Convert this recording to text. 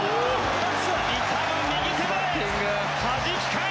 痛む右手ではじき返した！